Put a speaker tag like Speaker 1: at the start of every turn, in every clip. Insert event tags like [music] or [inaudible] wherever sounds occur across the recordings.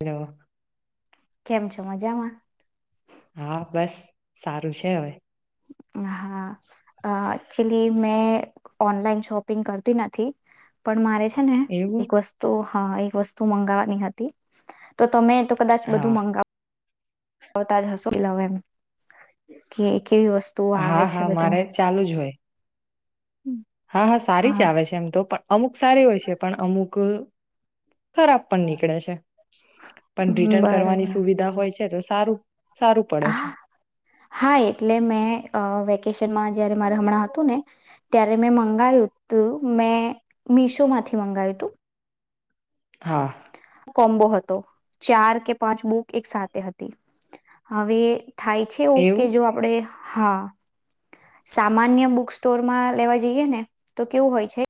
Speaker 1: Hello.
Speaker 2: કેમ છો મજામાં.
Speaker 1: હા બસ સારું છે હવે.
Speaker 2: હા આ એકચુલી મેં ઓનલાઈન શોપિંગ કરતી નથી પણ મારે ને
Speaker 1: એવું
Speaker 2: એક વસ્તુ હા એક વસ્તુ મંગાવવાની હતી તો તમે તો કદાચ બધું
Speaker 1: હા
Speaker 2: મંગાવ મંગાવતા જ હશો કે કેવી વસ્તુ
Speaker 1: હા
Speaker 2: આવે છે
Speaker 1: હા
Speaker 2: બધું.
Speaker 1: મારે ચાલુ જ હોય. હા હા સારી જ આવે છે એમ તો પણ અમુક સારી હોય છે પણ અમુક ખરાબ પણ નીકળે છે. પણ રિટર્ન
Speaker 2: બરાબર
Speaker 1: કરવાની સુવિધા હોય છે. તે જો સારું સારું પડે છે
Speaker 2: હા હા એટલે મેં આ વેકેશનમાં જ્યારે મારે હમણાં હતું ને ત્યારે મેં મંગાયું તુ મેં મીશો માંથી મંગાયું તું
Speaker 1: હા
Speaker 2: કોમ્બો હત તો ચાર કે પાંચ બુક એક સાથે હતી હવે થાય છે એવું કે જો આપડે હા સામાન્ય બુક સ્ટોર માં લેવા જઈએ ને તો કેવું હોય છે.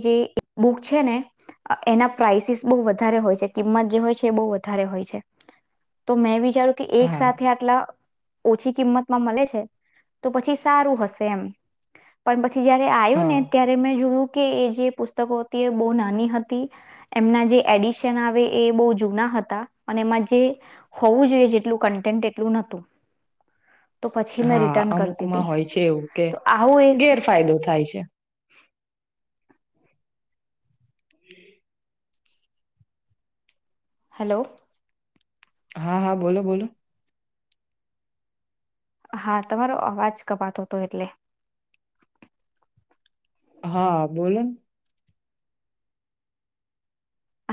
Speaker 2: જે એ બુક છે ને અ એના પ્રઇસીસ બો વધારે હોય છે કિંમત જે હોય છે એ બો વધારે હોય છે તો મેં વિ વિચારો કે એક
Speaker 1: હા
Speaker 2: સાથે આટલા ઓછી કિંમતમાં મળે છે તો પછી સારું હશે એમ પણ પછ પછી જયારે આવ્યું ને
Speaker 1: હા
Speaker 2: ત્યારે મેં જોવુ કે એ જે પુસ્તકો હતી એ બો નાની હતી એમના જે એડિશન આવે એ બો જૂના હતા અને એમાં જે હોવું જોઈએ જેટલું કન્ટેન્ટ તેટલું નતું.
Speaker 1: હા અમુકમાં હોય છે એવું કે
Speaker 2: તો આવું એક
Speaker 1: ગેરફાયદો થાય છે. [inaudible]
Speaker 2: હલો.
Speaker 1: હા હા બોલો બોલો.
Speaker 2: હા તમારો અવાજ કપાતો હતો એટલે.
Speaker 1: હા બોલોન.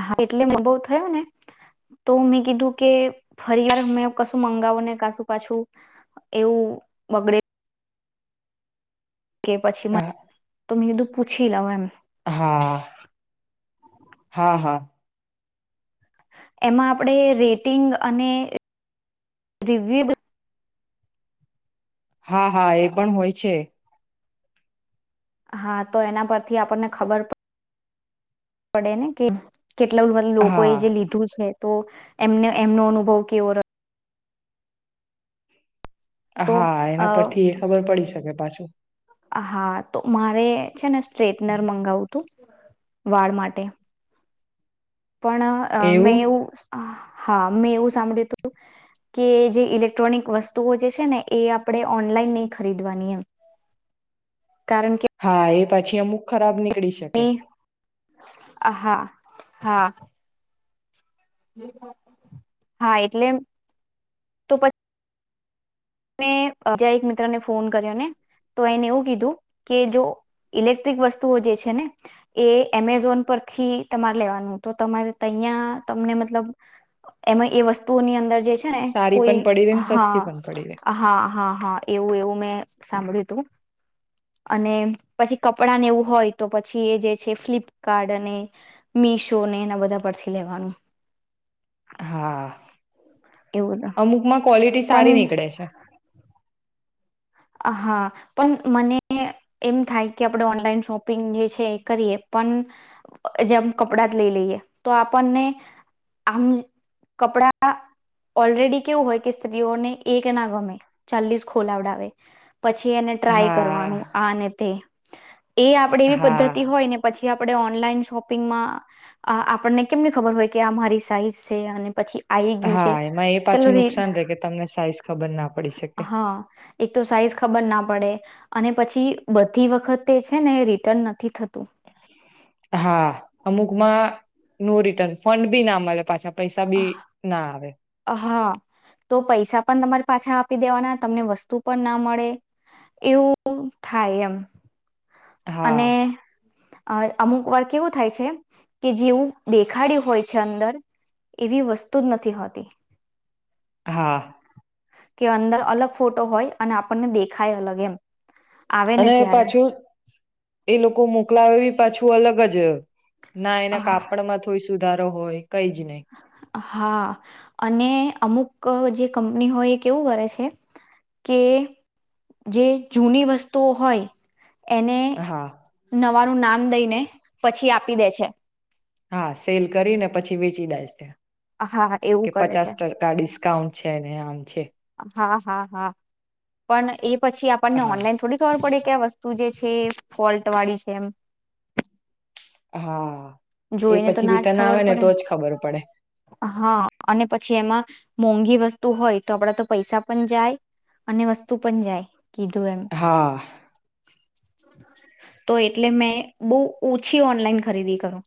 Speaker 2: હા એટલે અનભવ થયો ને તો મેં કીધું કે ફરી વાર મેમે કશું મંગાવ ને કશું પાછું એવું બગડે કે પછી માં
Speaker 1: હા
Speaker 2: તમે શધું પૂછી લાવ એમ
Speaker 1: હા હા હા
Speaker 2: એમાં આપણેે રેટિંગ અને રિવ્યુ
Speaker 1: હા હા એ પણ હોય છે
Speaker 2: હા તો એના પરથી આપણને ખબર પડે ને કે કેટલા વન લોકો એ
Speaker 1: હા
Speaker 2: જે લીધું છે તો એમને એમનો અનુભવ કેવો રયો તો
Speaker 1: હા એના પરથી એ ખબર પડી શકે પાછું
Speaker 2: હા તો મારે છે ને સ્ટ્રેટનર મંગાવું તું વાળ માટે પણઅ મેં એવું હા મેં એવું સાંભળ્યું હતું કે જે ઇલેક્ટ્રોનિક વસ્તુઓ જે છે ને એ આપણે ઓનલાઈન નહી ખરીદવાની એમ કારણ કે
Speaker 1: હા એ પાછી અમુખ ખરાબ નીકડી શકે
Speaker 2: હ હા હા હા એટલે તો પછી મે બજા એક મિત્રને ફોન કર્યો ને તો એને એવું કીધું કે જો ઇલેક્ટ્રિક વસ્તુઓ જે છે ને એ એમેઝોન પરથી તમારે લેવાનું તો તમારે તહીયા તમને મતલબ એમાં એ વસ્તુની અંદર જે છે ને
Speaker 1: સારી
Speaker 2: કોઈ
Speaker 1: પણ પડી રહી ને સસ્તી
Speaker 2: હા
Speaker 1: પણ પડી ર
Speaker 2: હા હા હા એવું એવું મેં સાંભળ્યું હતું અને પછી કપડા ને એવું હોય તો પછી એ જે છે ફ્લિપકાર્ટ અને મીશોને એના બધા પરથી લેવાનું
Speaker 1: હા
Speaker 2: એવું તો.
Speaker 1: અમુકમાં ક્વોલિટી સારી
Speaker 2: પણ
Speaker 1: નીકળે છે
Speaker 2: હા પણ મને એમ થાય કે આપણે ઓનલાઈન શોપિંગ જે છે એ કરીએ પણ જેમ કપડા જ લઈ લઈએ તો આપણને આમ કપડા ઓલરેડી કેવું હોય કે સ્ત્રીઓને એક ના ગમે ચાલીસ ખોલવડાવે પછી એને ટ્રાય
Speaker 1: હા
Speaker 2: કરવાનું આને તે એ આપણેે એવી
Speaker 1: હા
Speaker 2: પદ્ધતિ હોય ને પછી આપણે ઓનલાઈન શોપિંગમાં આપણને કેમની ખબર હોય કે આ મારી સાઈઝ છે અને પછી આવી ગયું
Speaker 1: હા
Speaker 2: છે
Speaker 1: એમાં એ
Speaker 2: ચલો
Speaker 1: પાછું
Speaker 2: રેટ
Speaker 1: નુકસાન થ કે તમને સાઈઝ ખબર ના પડે
Speaker 2: હા એક તો સાઈઝ ખબર ના પડે અને પછી બધી વખત છે ને રિટર્ન નથી થતું
Speaker 1: હા અમુકમાં નો રિટર્ન ફંડ બી ના મળે પાછા પૈસા બી ના આવે
Speaker 2: હા તો પૈસા પણ તમારે પાછા આપી દેવાના તમને વસ્તુ પણ ના મળે એવું થાય એમ
Speaker 1: હા
Speaker 2: અને અ અમુક વાર કેવું થાય છે કે જેવું દેખાડ્યું હોય છે અંદર એવી વસ્તુ જ નથી હોતી.
Speaker 1: હા.
Speaker 2: કે અંદર અલગ ફોટો હોય અને આપણને દેખાય અલગ એમ. આવે ને
Speaker 1: અને
Speaker 2: ત્યારે
Speaker 1: પાછું એ લોકો મોકલાવે પાછું અલગ જ. ના એના
Speaker 2: અ
Speaker 1: કાપડ માં [unintelligible] વધારો હોય કઈ જ નહીં
Speaker 2: હા અને અમુક જે કંપની હોય એ કેવું કરે છે કે જે જૂની વસ્તુઓ હોય એને
Speaker 1: હા
Speaker 2: ન તારું નામ દઈને પછી આપી દે છે.
Speaker 1: હા સેલ કરી ને પછી વેચી દાય છે.
Speaker 2: હા એવું
Speaker 1: કે
Speaker 2: કરે
Speaker 1: પચાસ
Speaker 2: છે
Speaker 1: ટકા ડિસ્કાઉન્ટ છે ને આમ છે
Speaker 2: હા હા હા પણ એ પછી આપણને
Speaker 1: હા
Speaker 2: ઓનલાઈન થોડી ખબર પડે કે આ વસ્તુ જે છે ફોલ્ટ વાળી છે એમ.
Speaker 1: હા એ
Speaker 2: જોઈને તો
Speaker 1: પછી
Speaker 2: ના જ
Speaker 1: રીટન આવે
Speaker 2: ખબર
Speaker 1: ને
Speaker 2: પડે
Speaker 1: તો જ ખબર પડે.
Speaker 2: હા અને પછી એમાં મોંઘી વસ્તુ હોય તો આપડા તો પૈસા પણ જાય અને વસ્તુ પણ જાય. [unintelligible] એમ
Speaker 1: હા
Speaker 2: તો એટલે મેં બહુ ઓછી ઓનલાઈન ખરીદી કરું.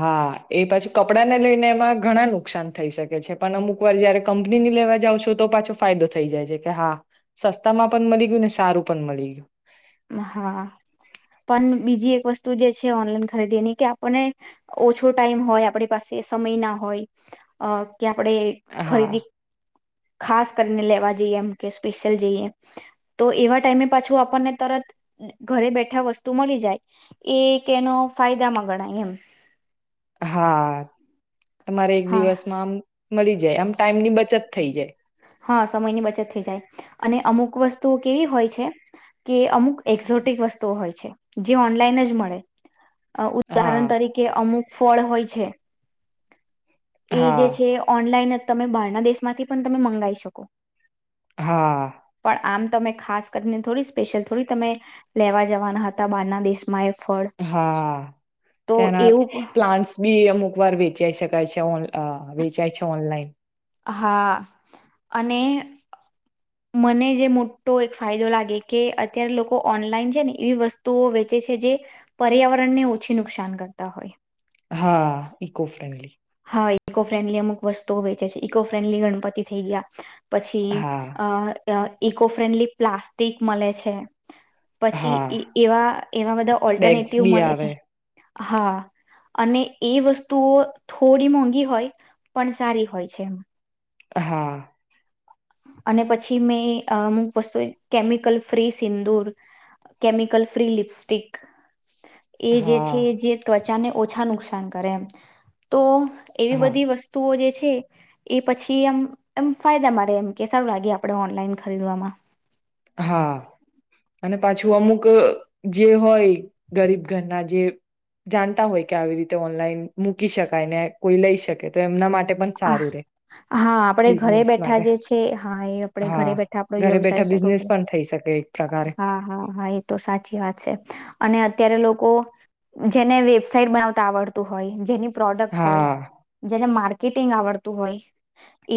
Speaker 1: હા એ પાછું કપડાને લઈને એમાં ઘણા નુકસાન થઈ શકે છે પણ અમુક વાર જયારે કંપનીની લેવા જાાવ છો તો પાછો ફાયદો થઈ જાય છે કે હા સસ્તામાં પણ મળી ગયું ને સારું પણ મળી ગયું.
Speaker 2: હા પણ બીજી એક વસ્તુ જે છે ઓનલાઈન ખરીદીની કે આપને ઓછો ટાઈમ હોય આપણી પાસે સમય ના હોય અ કે આપડે
Speaker 1: ગયું
Speaker 2: ખરીદી
Speaker 1: હા
Speaker 2: ખાસ કરીને લેવા જઈએ એમ કે સ્પેશિયલ જઈએ તો એવા ટાઈમે પાછું આપણને તરત ઘરે બેઠા વસ્તુ મળી જાય એક એનો ફાયદામાં ગણાય એમ.
Speaker 1: હા. તમારે એક
Speaker 2: હા
Speaker 1: દિવસમાં આમ મળી જાય આમ ટાઈમ ની બચત થઈ જાય.
Speaker 2: હા સમયની બચત થઈ જાય અને અમુક વસ્તુઓ કેવી હોય છે કે અમુક એક્ઝોટિક વસ્તુઓ હોય છે જે ઓનલાઈન જ મળે.
Speaker 1: હા
Speaker 2: ઉદાહરણ તરીકે અમુક ફળ હોય છે. એ જે
Speaker 1: હા
Speaker 2: છે ઓનલાઈન તમે બહારના દેશ માંથી પણ તમે મંગાવી શકો.
Speaker 1: હા.
Speaker 2: પણ આમ તમે ખાસ કરીને થોડી સ્પેશિયલ થોડી તમે લેવા જવાના હતા બહારના દેશ
Speaker 1: હા
Speaker 2: તો
Speaker 1: ત્યાંના
Speaker 2: એવું
Speaker 1: પ્લાન્ટસ બી અમુક. વર વેચે સ ક છે ઓ. અ વેચાય છે ઓનલાઈન.
Speaker 2: હા અને. મને જે મોટો એક ફાયદો લાગે કે અત્યારે લોકો ઓનલાઈન છે ને એવી વસ્તુઓ વેચે છે જે પર્યાવરણને ઓછી નુકસાન કરતા હોય.
Speaker 1: હા. Eco friendly.
Speaker 2: હા ઇકો ફ્રેન્ડલી અમુક વસ્ુઓ વેચે છે ઇકો ફ્રેન્ડલી ગણપતિ થઈ ગયા. પછી
Speaker 1: હા
Speaker 2: અ. ઇકો ફ્રેન્ડલી પ્લાસ્ટિક મળે છે.
Speaker 1: હા
Speaker 2: પછી એવા એવા બધા
Speaker 1: બેગ્સ
Speaker 2: ઓલ્ટરનેટિવ
Speaker 1: બી
Speaker 2: મળે છે.
Speaker 1: આવે
Speaker 2: હા અને એ વસ્તુ. તો થોડી મોંઘી હોય પણ સારી હોય છે એમ.
Speaker 1: હા.
Speaker 2: અને પછી મેં અમુક વસ્તુ કેમિકલ ફ્રી સિંદુર કેમિકલ ફ્રી લિપસ્ટિક. એ જે છે
Speaker 1: હા
Speaker 2: જે ત્ચ. બ્ચાને ઓછા નુકસાન કરે એમ તો. એવી
Speaker 1: હા
Speaker 2: બધી વસ્તુઓ જે છે. એ પછી એમ એમ ફાયદા મા રે એમ. કે સારું લાગે આપડણે ઓનલાઈન ખરીદવામાં.
Speaker 1: હા અને પાછું અમુક જે હોય ગરીબ ઘરના જે જાણતા હોય કે આવી રીતે ઓનલાઈન મૂકી શકાય ને કોઈ લઈ શકે તો એમના માટે. પણ
Speaker 2: હા
Speaker 1: સારું રે
Speaker 2: આપડે ઘરે
Speaker 1: બિઝનેસ
Speaker 2: બેઠા
Speaker 1: માટે
Speaker 2: જે છે હા એ આપે
Speaker 1: હા
Speaker 2: ઘરે બેઠા આપડો
Speaker 1: ઘરે બેઠા
Speaker 2: વ્યવસાય શરૂ
Speaker 1: બિઝનેસ
Speaker 2: કર.
Speaker 1: પણ થઈ શકે એક પ્રકારે
Speaker 2: હા હા હા એ તો સાચી વાત છે અને. અત્યારે લોકો જેને વેબસાાઈટ બનાવતા આવડતું હોય જેની. પ્રોડક્ટ હોય
Speaker 1: હા
Speaker 2: જેને માર્. માર્કેટિંગ આવડતું હોય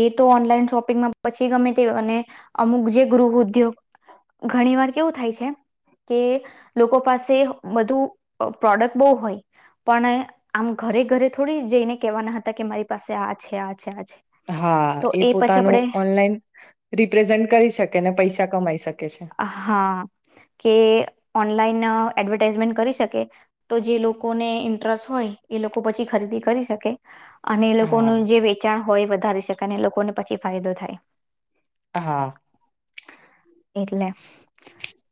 Speaker 2: એ તો ઓનલાઈન શોપિંગમાં પછી ગમે તે અને અમુક જે ગૃહ ઉદ્યોગ ઘણી વાર કેવું થાય છે કે લોકો પાસે બધું પ્રોડક્ટ બહુ હોય પણ આમ ઘરે ઘરે થોડી જઈને કહેવાના હતા કે મારી. પાસે આ છે આ. છે આ છે
Speaker 1: હા
Speaker 2: તો
Speaker 1: એ
Speaker 2: પછી
Speaker 1: પોતાનું
Speaker 2: આપણે
Speaker 1: ઓનલાઈન રિપ્રેઝન્ટ કરી શકે ને પૈસા કમાઈ શકે. છે.
Speaker 2: હા કે. ઓનલાઈન એડવર્ટાઈઝમેન્ટ કરી શકે તો જે લોકોને ઇન્ટરેસ્ટ હોય એ લોકો પછી ખરીદી કરી શકે. અને એ
Speaker 1: હા
Speaker 2: લોકોનું જે વેચાણ. હોય વધારી શકે અને લોકોને પછી ફાયદો થાય
Speaker 1: હા.
Speaker 2: એટલે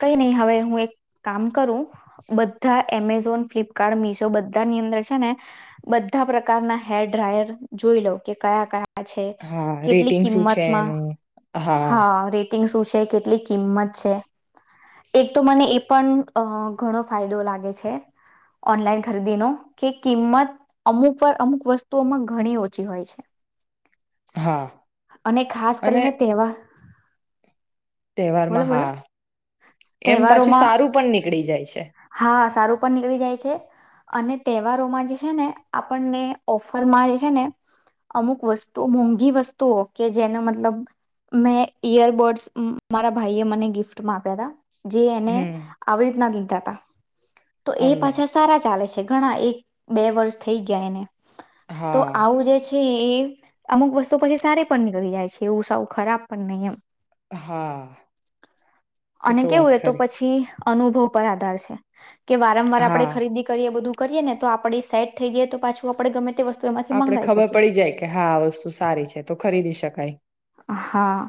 Speaker 2: કઈ નહી હવે હું એક. કામ કરું બધા એમેઝોન ફ્લિપકાર્ટ મિશો બધાની અંદર છે ને બધા પ્રકારના હેર ડ્રાયર જોઈ લોઉ કે કયા કયા. છે
Speaker 1: હા
Speaker 2: કેટલી
Speaker 1: રેટિંગ શું છે
Speaker 2: કિંમતમાં
Speaker 1: એનું
Speaker 2: હા રે. શું છે કેટલી. કિંમત છે એક તો મને એ પણ અ ઘણો ફાયદો લાગે છે ઓનલાઈન ખરીદીનો કે કિંમત અમુક વાર અમુક વસ્તુઓમાં ઘણી ઓછી હોય છે.
Speaker 1: હા
Speaker 2: અને ખાસ
Speaker 1: અને
Speaker 2: કરીને તહેવાર. બોલો
Speaker 1: તહેવારમાં
Speaker 2: બોલો
Speaker 1: હા એમ પછી
Speaker 2: તહેવારોમાં
Speaker 1: સારું પણ નીકળી જાય છે.
Speaker 2: હા સારું પણ નીકળી જાય છ, અને તહેવારોમાં જે છે ને આપણને ઓફરમાં જે છે ને અમુક વસ્તુ મોંઘી વસ્તુઓ કે જેનો મતલબ મેં ઈયરબડ્સ. મારા ભાઈએ મને ગિફ્ટ મા આપ્યા હતા. જે એને
Speaker 1: હમ
Speaker 2: આવી રીતના લી લીધાતા. તો એ
Speaker 1: ઓનલાઈન
Speaker 2: પાછા સારા ચાલે છે. ઘણા એક બે વર્ષ થઈ ગયા એને. તો
Speaker 1: હા
Speaker 2: આવું જે છે. એ અમુક વસ્તુ પછી સારી પણ નીકળી જાય છે એવું સાવ ખરાબ પણ નહી એમ.
Speaker 1: હા
Speaker 2: અને કેવું એ તો પછી અનુભવ. ઉપર આધાર છે. કે વારંવાર આપડે
Speaker 1: હા
Speaker 2: ખરીદી કરીએ બધું કરીએ ને તો આપડે સેટ થઈ જઈએ તો પાછું આપડે ગમે તે વસ્તુ એમાંથી
Speaker 1: આપણે
Speaker 2: મંગાવી
Speaker 1: ખબર
Speaker 2: શકીએ
Speaker 1: પડી જાય કે હા આ વસ્તુ સારી છે તો ખરીદી શકાય.
Speaker 2: હા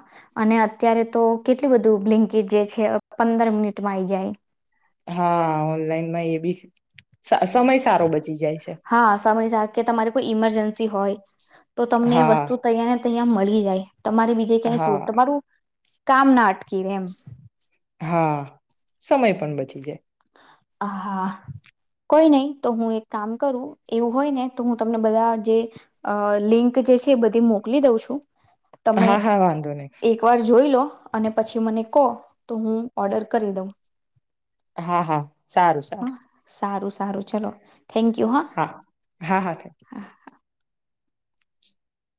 Speaker 2: અને અત્યારે તો કેટલું બધું બ્લિંકિટ જે છે પંદર મિનિટમાં આઈ જાય.
Speaker 1: હા ઓનલાઈનમાં એ બી સા સમય સારો બચી જાય છે
Speaker 2: હા સમય કે તમારે કોઈ ઇમરજન્સી હોય. તો તમને એ
Speaker 1: હા
Speaker 2: વસ્તુ તૈંયા ને તંયા. મળી જાય. તમારે બીજે ક્યાંઈ શું
Speaker 1: હા
Speaker 2: તમારું કામ ના અટકી રે એમ.
Speaker 1: હા સમય પણ બચી જાય.
Speaker 2: હા કોઈ નહી તો હું એક કામ કરું એવું હોય ને તો હું તમને બધા જે લિંક જે છે એ બધી મોકલી દઉં છું. તમે
Speaker 1: હા હા વાંધો નહી
Speaker 2: એક વાર જોઈ લો અને પછી મને કોહો તો હું ઓર્ડર કરી દઉં.
Speaker 1: હા હા સારું
Speaker 2: હા
Speaker 1: સારું.
Speaker 2: સારું સારું ચલો. થેન્કયુ હ
Speaker 1: હા હા હા થેન્ક યુ.
Speaker 2: હા.